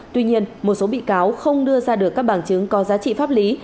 tuy nhiên một số bị cáo không đưa ra được các bằng chứng có giá trị pháp lý